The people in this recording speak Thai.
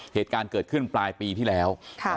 เหตุการณ์เกิดขึ้นปลายปีที่แล้ว